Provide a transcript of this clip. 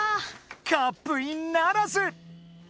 カップインならず！